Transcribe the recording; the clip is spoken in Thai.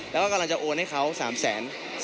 แล้วก็กำลังจะโอนให้เขา๓แสน